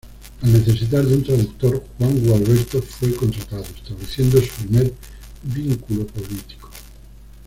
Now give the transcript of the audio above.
Al necesitar de un traductor, Juan Gualberto fue contratado, estableciendo su primer vínculo político.